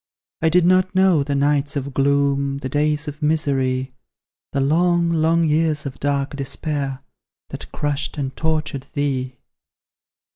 I did not know the nights of gloom, The days of misery; The long, long years of dark despair, That crushed and tortured thee.